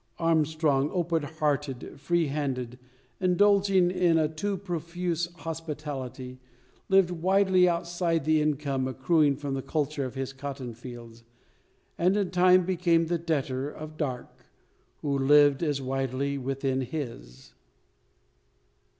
Armstrong, open hearted, free handed, indulging in a too profuse hospitality, lived widely outside the income accruing from the culture of his cotton fields, and in time became the debtor of Darke, who lived as widely within his.